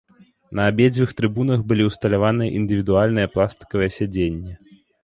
На абедзвюх трыбунах былі ўсталяваныя індывідуальныя пластыкавыя сядзенні.